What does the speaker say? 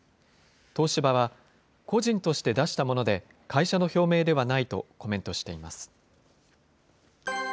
東芝は、個人として出したもので、会社の表明ではないとコメントしています。